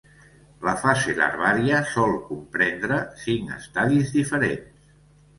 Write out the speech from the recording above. La fase larvària sol comprendre cinc estadis diferents.